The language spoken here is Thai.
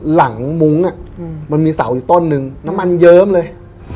หลังมุ้งอ่ะมันมีเสาอีกต้นหนึ่งน้ำมันเยิ้มเลย